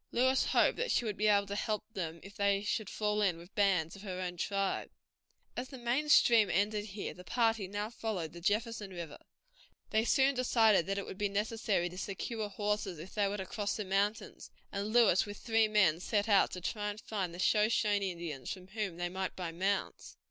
Lewis hoped that she would be able to help them if they should fall in with bands of her own tribe. As the main stream ended here, the party now followed the Jefferson River. They soon decided that it would be necessary to secure horses if they were to cross the mountains, and Lewis with three men set out to try to find the Shoshone Indians, from whom they might buy mounts.